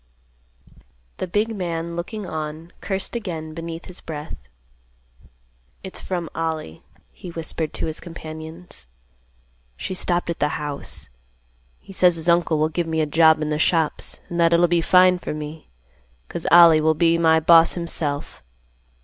The big man, looking on, cursed again beneath his breath. "It's from Ollie," he whispered to his companions. "She stopped at the house. He says his uncle will give me a job in the shops, and that it'll be fine for me, 'cause Ollie will be my boss himself.